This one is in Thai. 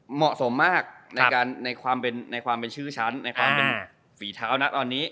เหมาะสมมากในความเป็นชื่อฉันในความเป็นฝีเท้านะตอนนี้